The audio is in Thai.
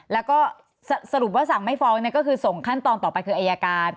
แล้วก็สรุปว่าสั่งไม่ฟ้องก็คือส่งขั้นตอนต่อไปคืออายการ